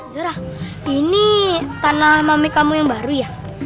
zurah ini tanah mami kamu yang baru ya